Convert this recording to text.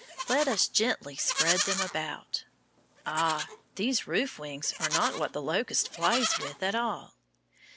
Let us gently spread them out. Ah! these roof wings are not what the locust flies with at all.